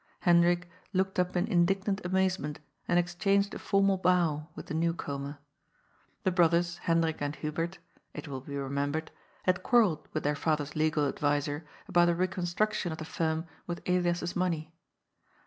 Hen drik looked up in indignant amazement and exchanged a formal bow with the new comer. The brothers, Hendrik and Hubert — ^it will be remembered — had quarrelled with their father's legal adviser about the reconstruction of the firm with Elias's money.